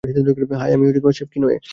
High, আমি chef ফিনওয়ে।